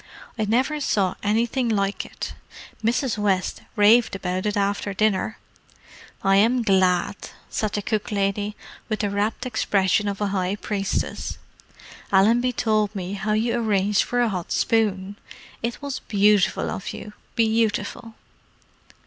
I never saw anything like it. Mrs. West raved about it after dinner." "I am glad," said the cook lady, with the rapt expression of a high priestess. "Allenby told me how you arranged for a hot spoon. It was beautiful of you: beautiful!"